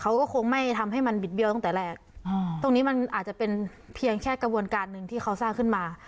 เขาก็คงไม่ทำให้มันบิดเบี้ยวตั้งแต่แรกตรงนี้มันอาจจะเป็นเพียงแค่กระบวนการหนึ่งที่เขาสร้างขึ้นมา